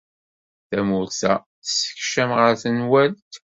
Tawwurt-a tessekcam ɣer tenwalt.